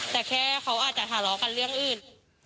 แต่แค่เขาอาจจะทะเลาะกันเรื่องอื่น